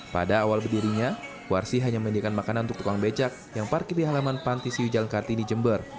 pada awal berdirinya warsi hanya menyediakan makanan untuk tukang becak yang parkir di halaman panti siujal karti di jember